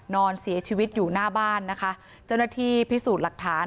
นอนเสียชีวิตอยู่หน้าบ้านนะคะเจ้าหน้าที่พิสูจน์หลักฐาน